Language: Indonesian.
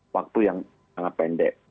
waktu yang sangat pendek